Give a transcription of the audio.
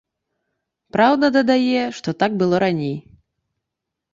Праўда, дадае, што так было раней.